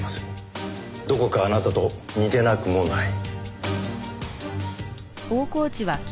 どこかあなたと似てなくもない。